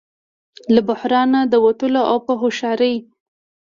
له بحران نه د وتلو او په هوښیارۍ